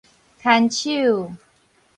牽手